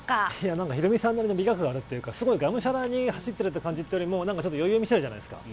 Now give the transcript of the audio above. なんかヒロミさんの美学があるというか、すごいがむしゃらに走ってるって感じってよりも、ちょっと余裕見せてたじゃないですか。